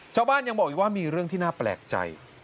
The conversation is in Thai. ชาวบ้านยังบอกอีกว่ามีเรื่องที่น่าแปลกใจ